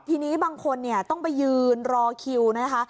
ทีนี้บางคนต้องไปยืนรอคิวนะคะ